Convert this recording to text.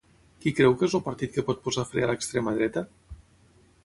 Qui creu que és el partit que pot posar fre a l'extrema dreta?